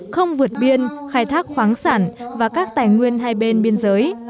không vượt biên khai thác khoáng sản và các tài nguyên hai bên biên giới